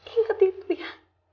ingat itu ya